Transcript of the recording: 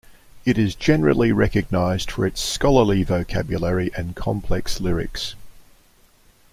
It is generally recognized for its scholarly vocabulary and complex lyrics.